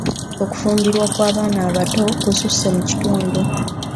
Okufumbirwa kw'abaana abato kususse mu kitundu.